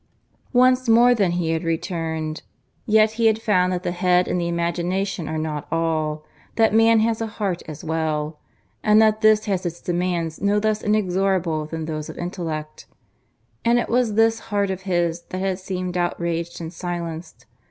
Once more then he had returned. Yet he had found that the head and the imagination are not all; that man has a heart as well; and that this has its demands no less inexorable that those of intellect. And it was this heart of his that had seemed outraged and silenced.